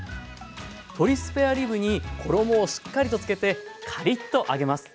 鶏スペアリブに衣をしっかりとつけてカリッと揚げます。